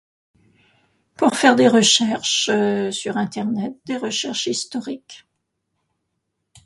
Pour faire des recherches sur internet, des recherches historiques.